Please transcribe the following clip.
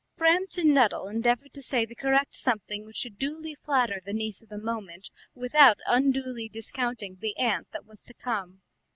Framton Nuttel endeavoured to say the correct something which should duly flatter the niece of the moment without unduly discounting the aunt that was to come.